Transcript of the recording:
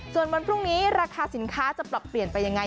ส่วนวันพรุ่งนี้ราคาสินค้าจะปรับเปลี่ยนไปยังไง